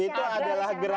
itu adalah gerakan